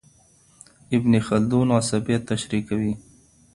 ابن خلدون عصبيت تشريح کوي.